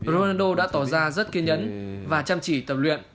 ronaldo đã tỏ ra rất kiên nhẫn và chăm chỉ tập luyện